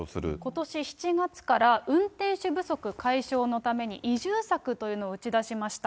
ことし７月から運転手不足解消のために移住策というのを打ち出しました。